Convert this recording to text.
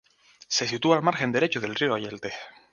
Se sitúa al margen derecho del río Yeltes.